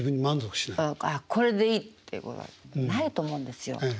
「ああこれでいい」ってないと思うんですよ。